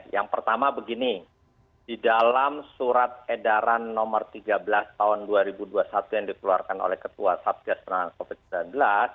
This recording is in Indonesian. yang pertama begini di dalam surat edaran nomor tiga belas tahun dua ribu dua puluh satu yang dikeluarkan oleh ketua satgas penanganan covid sembilan belas